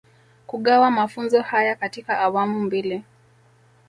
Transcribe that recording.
Kugawa mafunzo haya katika awamu mbili